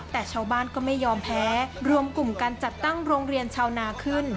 แต่ชาวบ้านก็ไม่ยอมแพ้รวมกลุ่มการจัดตั้งโรงเรียนชาวนาขึ้น